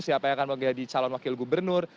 siapa yang akan menjadi calon wakil gubernur